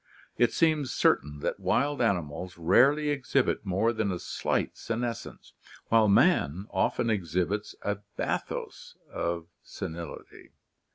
It seems certain that wild animals rarely exhibit more than a slight senescence, while man often exhibits a bathos of senility.